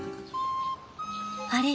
あれ？